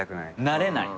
慣れない。